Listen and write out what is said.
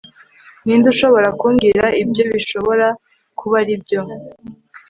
ninde ushobora kumbwira ibyo bishobora kuba aribyo